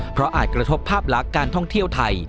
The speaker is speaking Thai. เพราะอาจกระทบภาพลักษณ์การท่องเที่ยวไทย